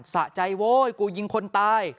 สะใจโว้กูยิงคนตาย